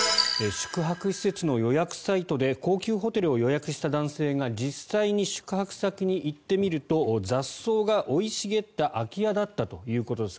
宿泊施設の予約サイトで高級ホテルを予約した男性が実際に宿泊先に行ってみると雑草が生い茂った空き家だったということです。